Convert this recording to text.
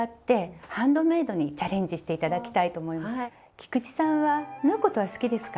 菊池さんは縫うことは好きですか？